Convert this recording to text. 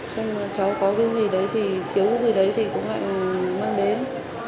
cho nên là cháu có cái gì đấy thì khiếu cái gì đấy thì cũng hãy mang đến